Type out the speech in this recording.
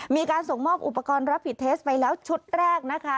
มีการส่งมอบอุปกรณ์รับผิดเทสไปแล้วชุดแรกนะคะ